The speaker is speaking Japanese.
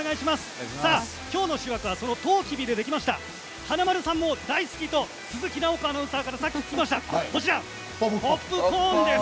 今日の主役は、とうきびでできました華丸さんも大好きと鈴木奈穂子アナウンサーから聞きました、ポップコーンです。